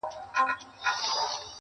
په هر ځای کي نر او ښځي په ژړا وه٫